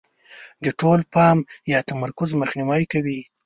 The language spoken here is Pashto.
د ټول پام یا تمرکز مخنیوی کوي.